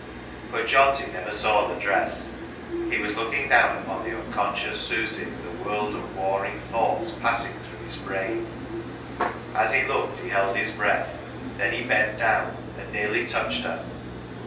But Johnty never saw the dress. He was looking down upon the unconscious Susy with a world of warring thoughts passing through his brain. As he looked he held his breath. Then he bent down and nearly touched her.